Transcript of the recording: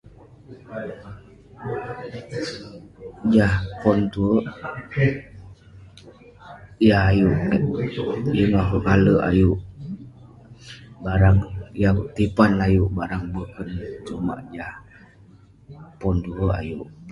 Jah pon tue yah ayuk kek. Yeng akouk kale ayuk- tipan ayuk barang boken. Sumak jah pon tue ayuk.